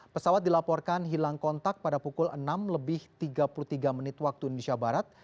pesawat dilaporkan hilang kontak pada pukul enam lebih tiga puluh tiga menit waktu indonesia barat